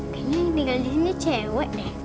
kayaknya yang tinggal disini cewek deh